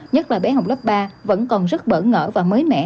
nhất là bé học lớp ba vẫn còn rất bỡ ngỡ và mới mẻ